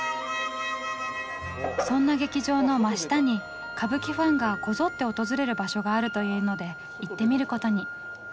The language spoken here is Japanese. そんな劇場の真下に歌舞伎ファンがこぞって訪れる場所があるというので行ってみることに。